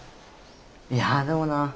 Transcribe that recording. いやでもな